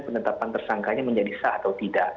penetapan tersangkanya menjadi sah atau tidak